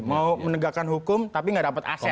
mau menegakkan hukum tapi nggak dapat aset